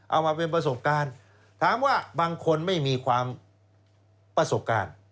เอามาเป็นประสบการณ์ถามว่าบางคนไม่มีความประสบการณ์